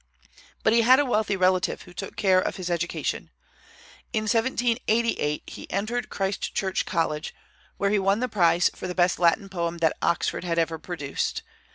But he had a wealthy relative who took the care of his education. In 1788 he entered Christ Church College, where he won the prize for the best Latin poem that Oxford had ever produced.